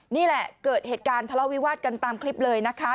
นี่แหละเกิดเหตุการณ์ทะเลาวิวาสกันตามคลิปเลยนะคะ